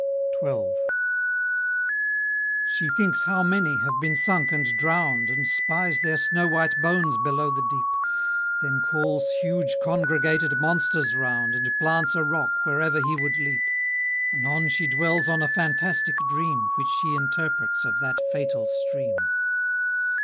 XII. She thinks how many have been sunk and drown'd, And spies their snow white bones below the deep, Then calls huge congregated monsters round, And plants a rock wherever he would leap; Anon she dwells on a fantastic dream, Which she interprets of that fatal stream.